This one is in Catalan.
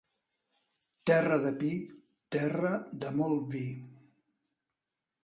Terra de pi, terra de molt vi.